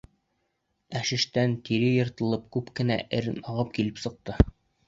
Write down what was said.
Ә шештән, тире йыртылып, күп кенә эрен ағып килеп сыҡты.